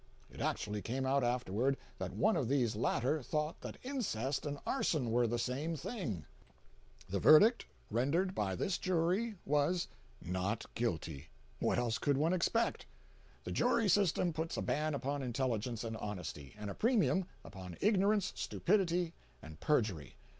It actually came out afterward, that one of these latter thought that incest and arson were the same thing. 342.jpg (52K) The verdict rendered by this jury was, Not Guilty. What else could one expect? The jury system puts a ban upon intelligence and honesty, and a premium upon ignorance, stupidity and perjury.